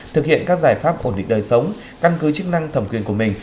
thực hiện các giải pháp ổn định đời sống căn cứ chức năng thẩm quyền của mình